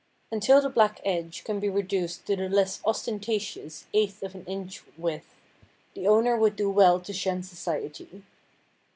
Until the black edge can be reduced to the less ostentatious eighth of an inch width, the owner would do well to shun society.